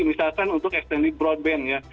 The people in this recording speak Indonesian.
misalkan untuk extensi broadband ya